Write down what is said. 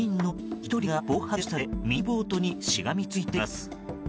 １人が防波堤の下でミニボートにしがみついています。